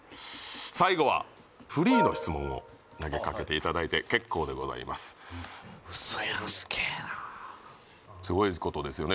最後はフリーの質問を投げかけていただいて結構でございますすごいことですよね